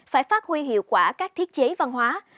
phải phát huy hiệu quả các thiết chế văn hóa